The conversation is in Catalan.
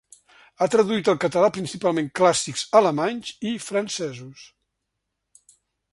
Ha traduït al català principalment clàssics alemanys i francesos.